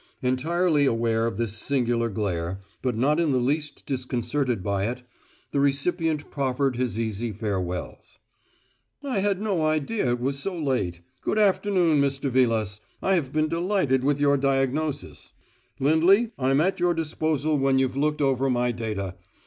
Entirely aware of this singular glare, but not in the least disconcerted by it, the recipient proffered his easy farewells. "I had no idea it was so late. Good afternoon. Mr. Vilas, I have been delighted with your diagnosis. Lindley, I'm at your disposal when you've looked over my data.